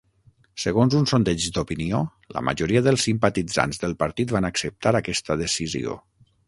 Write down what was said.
Segons un sondeig d'opinió, la majoria dels simpatitzants del partit van acceptar aquesta decisió.